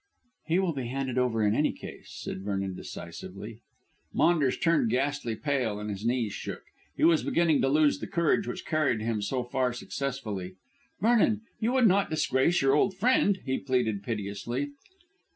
"He will be handed over in any case," said Vernon decisively. Maunders turned ghastly pale and his knees shook. He was beginning to lose the courage which had carried him so far successfully. "Vernon, you would not disgrace your old friend," he pleaded piteously.